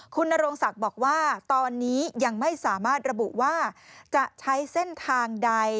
คุณนโรงศักดิ์บอกว่าตอนนี้ยังไม่สามารถระบุว่าจะใช้เส้นทางใด